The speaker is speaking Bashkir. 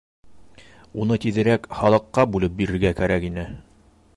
Уны тиҙерәк халыҡҡа бүлеп бирергә кәрәк ине.